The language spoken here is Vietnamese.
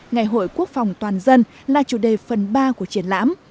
ngày hội quốc phòng toàn dân là chủ đề phần ba của triển lãm